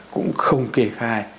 cũng không kê khai